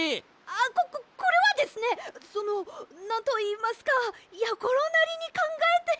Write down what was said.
あっこここれはですねそのなんといいますかやころなりにかんがえて。